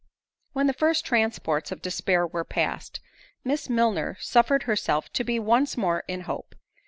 When the first transports of despair were past, Miss Milner suffered herself to be once more in hope.